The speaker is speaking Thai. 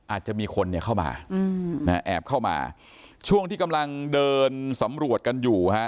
อาจจะมีคนเนี่ยเข้ามาแอบเข้ามาช่วงที่กำลังเดินสำรวจกันอยู่ฮะ